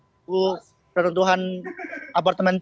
jadi saya sudah berhenti berhenti berhenti